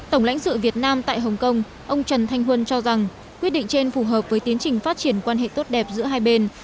tổng lãnh sự việt nam tại hồng kông ông trần thanh huân cho rằng quyết định trên phù hợp với tiến trình phát triển quan hệ tốt đẹp giữa hai bên